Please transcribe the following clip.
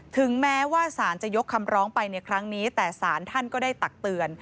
ถึงแม้ว่าสารจะยกคำร้องไปในครั้งนี้แต่สารท่านก็ได้ตักเตือน